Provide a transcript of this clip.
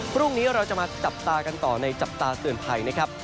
พรุ่งนี้เราจะมาจับตากันต่อในจับตาเตือนภัยนะครับ